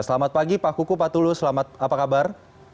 selamat pagi pak kukuh pak tulus selamat apa kabar